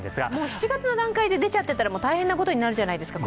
７月の段階で出ちゃっていたら、今年は大変なことになるじゃないですか。